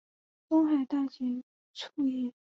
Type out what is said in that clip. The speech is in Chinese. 东海大学卒业。